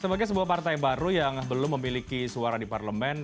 sebagai sebuah partai baru yang belum memiliki suara di parlemen